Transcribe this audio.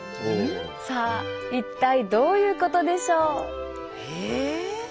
さあ一体どういうことでしょう。